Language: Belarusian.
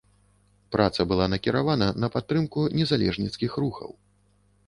Праца была накіравана на падтрымку незалежніцкіх рухаў.